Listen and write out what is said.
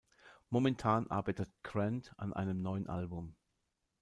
Momentan arbeitet Grant an einem neuen Album.